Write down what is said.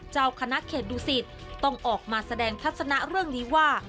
เจ้าคณะเขตดุสิตต้องออกมาแสดงทัศนะเรื่องนี้ว่า